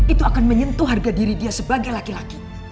itu akan menyentuh harga diri dia sebagai laki laki